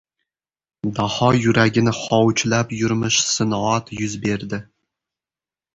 Daho yuragini hovuchlab yurmish sinoat yuz berdi.